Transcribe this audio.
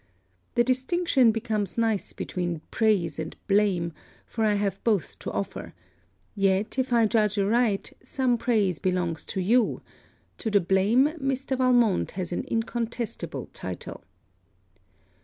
The distinction becomes nice between praise and blame, for I have both to offer: yet, if I judge aright, some praise belongs to you to the blame Mr. Valmont has an incontestible title.